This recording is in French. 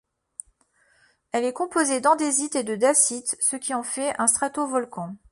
Elle est composée d'andésite et de dacite, ce qui en fait un stratovolcan.